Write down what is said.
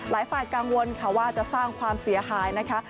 หลายฝ่ายกังวลค่ะว่าจะสร้างความเสียหายนะคะ